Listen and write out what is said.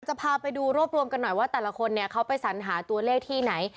จะพาไปดูรวบรวมกันหน่อยว่าแต่ละคนเนี่ยเขาไปสัญหาตัวเลขที่ไหน